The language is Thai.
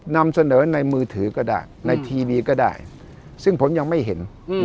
นำเสนอในมือถือก็ได้ในทีวีก็ได้ซึ่งผมยังไม่เห็น